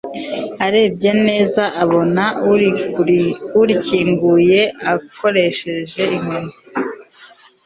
arebye neza abona urikinguye akoresheje inkoni